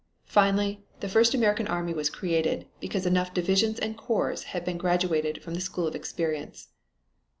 Finally, the first American army was created, because enough divisions and corps had been graduated from the school of experience.